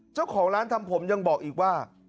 เจ้าของร้านทำผมยังบอกอีกว่า